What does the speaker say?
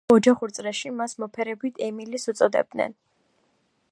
ოჯახურ წრეში მას მოფერებით „ემილის“ უწოდებდნენ.